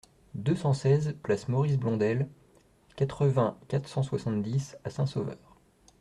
deux cent seize place Maurice Blondel, quatre-vingts, quatre cent soixante-dix à Saint-Sauveur